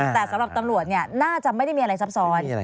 แต่สำหรับตำรวจน่าจะไม่ได้มีอะไรซับซ้อน